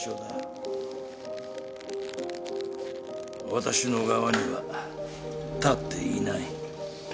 私の側には立っていない。